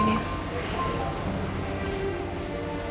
nggak tau nen